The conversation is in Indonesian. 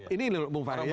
ini leluhur bung fahri ya